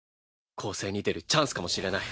攻勢に出るチャンスかもしれない。